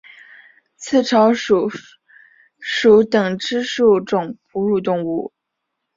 刺巢鼠属等之数种哺乳动物。